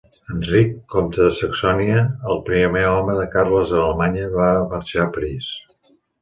Enric, comte de Saxònia, el primer home de Carles a Alemanya, va marxar a París.